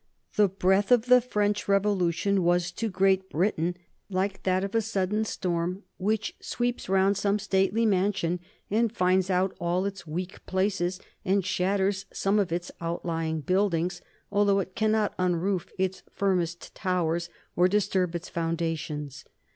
The breath of the French Revolution was to Great Britain like that of a sudden storm which sweeps round some stately mansion and finds out all its weak places and shatters some of its outlying buildings, although it cannot unroof its firmest towers or disturb its foundations.